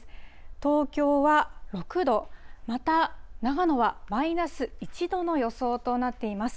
東京は６度、また長野はマイナス１度の予想となっています。